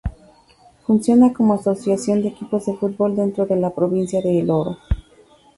Funciona como asociación de equipos de fútbol dentro de la Provincia de El Oro.